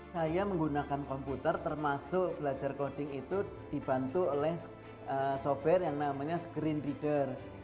saya menggunakan komputer termasuk belajar coding itu dibantu oleh software yang namanya screen reader